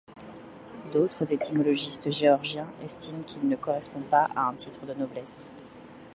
D’autres étymologistes géorgiens estiment qu’il ne correspond pas à un titre de noblesse.